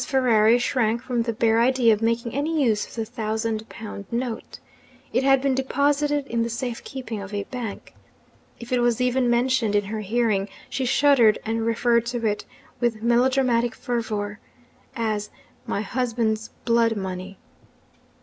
Ferrari shrank from the bare idea of making any use of the thousand pound note. It had been deposited in the safe keeping of a bank. If it was even mentioned in her hearing, she shuddered and referred to it, with melodramatic fervour, as 'my husband's blood money!'